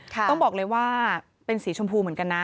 ต้องบอกเลยว่าเป็นสีชมพูเหมือนกันนะ